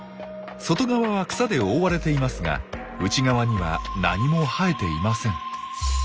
外側は草で覆われていますが内側には何も生えていません。